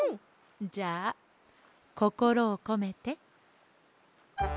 じゃあこころをこめて。